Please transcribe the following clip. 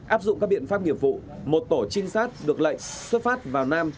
áp dụng các biện pháp nghiệp vụ một tổ trinh sát được lệnh xuất phát vào nam